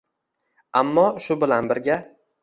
ammo shu bilan birga